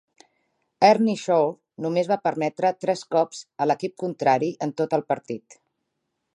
Ernie Shore només va permetre tres cops a l'equip contrari en tot el partit.